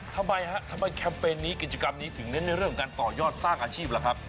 ทำไมฮะทำไมแคมเปญนี้กิจกรรมนี้ถึงเน้นในเรื่องของการต่อยอดสร้างอาชีพล่ะครับ